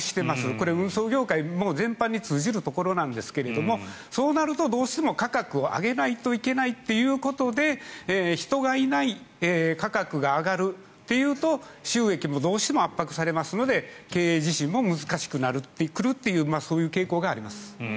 これは運送業界全般に通じるところですがそうなるとどうしても価格を上げないといけないということで人がいない価格が上がるというと収益もどうしても圧迫されますので経営自身も難しくなってくるというそういう傾向があります。